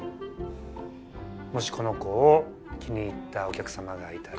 もしこの子を気に入ったお客様がいたら。